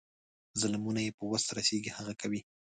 ظلمونه یې په وس رسیږي هغه کوي.